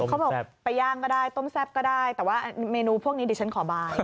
เขาบอกไปย่างก็ได้ต้มแซ่บก็ได้แต่ว่าเมนูพวกนี้ดิฉันขอบาย